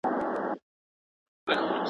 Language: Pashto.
که تعلیمي ویبپاڼه وي نو درس نه ټکنی کیږي.